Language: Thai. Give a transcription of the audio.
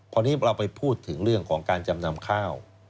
พอนี้เราไปพูดถึงเรื่องของการจำนำข้าว